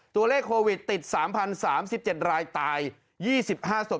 ตัวเลขโควิดติดสามพันสามสิบเจ็ดรายตายยี่สิบห้าสม